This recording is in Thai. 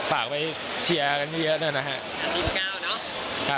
ฝากตี้เชียร์กันเยอะด้วยนะฮะ